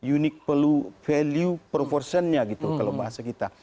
unique value proportionnya gitu kalau bahasa kita